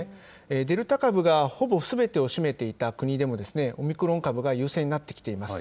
デルタ株がほぼすべてを占めていた国でも、オミクロン株が優勢になってきています。